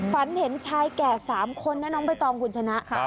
ฝันเห็นชายแก่๓คนนะน้องใบตองคุณชนะ